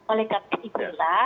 oleh karena itulah